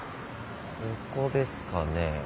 ここですかね。